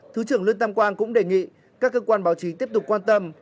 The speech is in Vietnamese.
thứ trưởng lương tam quang cũng đề nghị các cơ quan báo chí tiếp tục quan tâm